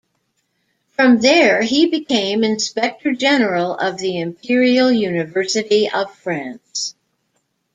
From there he became inspector general of the Imperial University of France.